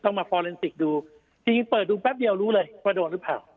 ต้องมาดูที่นี่เปิดดูแป๊บเดียวรู้เลยว่าโดนหรือเผ่า